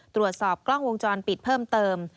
ตรวจสอบกล้องวงจรปิดเพิ่มเติม